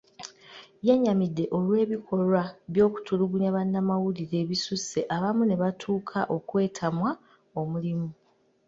Yennyamidde olw'ebikolwa by'okutulugunya bannamawulire ebisusse, abamu ne batuuka okwetamwa omulimu.